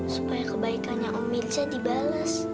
supaya kebaikannya om mirza dibalas